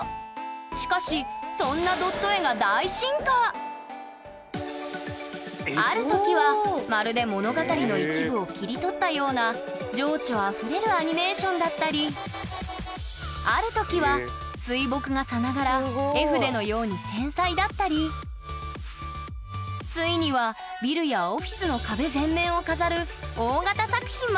しかしそんなドット絵がある時はまるで物語の一部を切り取ったような情緒あふれるアニメーションだったりある時は水墨画さながら絵筆のように繊細だったりついにはビルやオフィスのまで誕生。